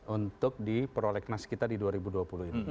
untuk di prolegnas kita di dua ribu dua puluh ini